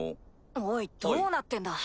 おいどうなってんだ？